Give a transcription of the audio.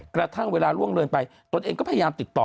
กระทั่งเวลาล่วงเลยไปตนเองก็พยายามติดต่อ